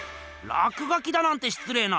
らくがきだなんてしつれいな。